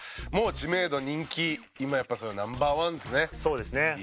もう知名度人気今やっぱＮｏ．１ですね。